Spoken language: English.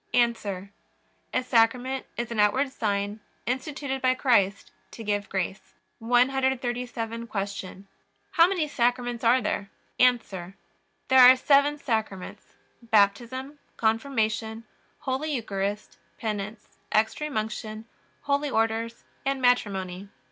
A. A Sacrament is an outward sign instituted by Christ to give grace. 137. Q. How many Sacraments are there? A. There are seven Sacraments: Baptism, Confirmation, Holy Eucharist, Penance, Extreme Unction, Holy Orders, and Matrimony.